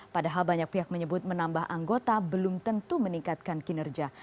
padahal banyak pihak menyebut menambah anggota belum tentu meningkatkan kinerja